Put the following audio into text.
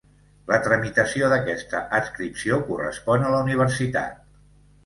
La tramitació d'aquesta adscripció correspon a la universitat.